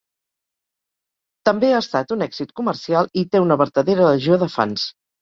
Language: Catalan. També ha estat un èxit comercial i té una vertadera legió de fans.